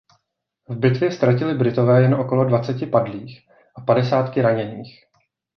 V bitvě ztratili Britové jen okolo dvaceti padlých a padesátky raněných.